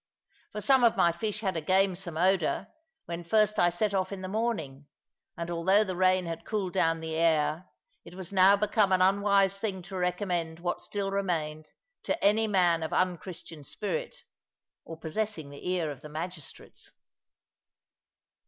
For some of my fish had a gamesome odour, when first I set off in the morning; and although the rain had cooled down the air, it was now become an unwise thing to recommend what still remained to any man of unchristian spirit, or possessing the ear of the magistrates.